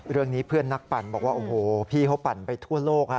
เรื่องนี้เพื่อนนักปั่นบอกว่าโอ้โหพี่เขาปั่นไปทั่วโลกฮะ